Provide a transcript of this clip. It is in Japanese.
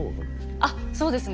あっそうですね